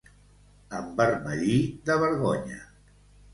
Envermellir de vergonya.